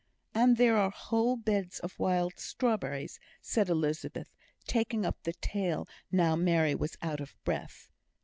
"And there are whole beds of wild strawberries," said Elizabeth, taking up the tale now Mary was out of breath.